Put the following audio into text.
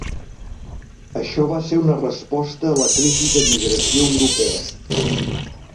Això va ser una resposta a la crisi de migració europea.